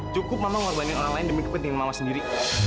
cukup mama korban orang lain demi kepentingan mama sendiri